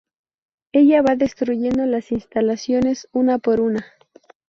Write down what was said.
Ella va destruyendo las instalaciones una por una.